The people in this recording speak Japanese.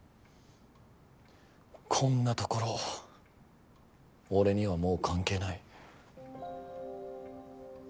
こんな所俺にはもう関係ない。